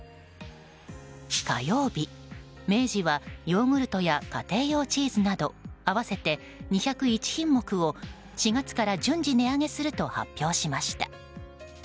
火曜日、明治はヨーグルトや家庭用チーズなど合わせて２０１品目を４月から順次値上げすると発表しました。